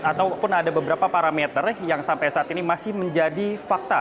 ataupun ada beberapa parameter yang sampai saat ini masih menjadi fakta